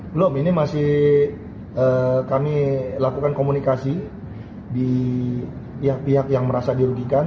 belum ini masih kami lakukan komunikasi di pihak pihak yang merasa dirugikan dan diberikan laporan dari pihak pihak yang merasa dirugikan